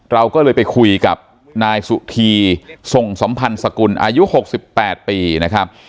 เราก็เลยไปคุยกับนายสุธีส่งสัมพันธ์สกุลอายุ๖๘ปีนะครับ